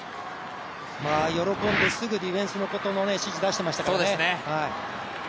喜んですぐディフェンスに指示、出していましたからね。